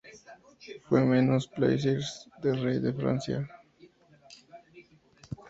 Fue Menus-Plaisirs del rey de Francia.